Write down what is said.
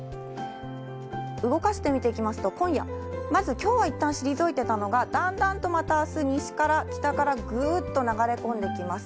動かしてみていきますと、今夜、まずきょうはいったん退いてたのが、だんだんとまたあす、西から北からぐーっと流れ込んできます。